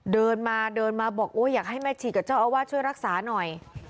เดินมาเดินมาบอกโอ้อยากให้แม่ชีกับเจ้าอาวาสช่วยรักษาหน่อย